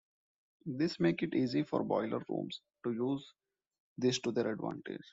This makes it easy for boiler rooms to use this to their advantage.